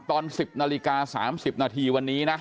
ตอน๑๐นาฬิกา๓๐นาทีวันนี้นะ